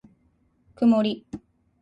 くもり